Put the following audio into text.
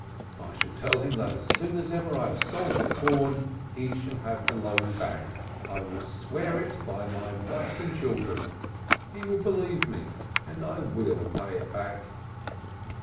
I shall tell him that as soon as ever I have sold the corn, he shall have the loan back. I will swear it by wife and children, he will believe me — and I will pay it back."